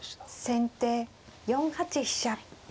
先手４八飛車。